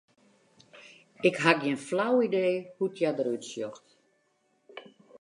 Ik ha gjin flau idee hoe't hja derút sjocht.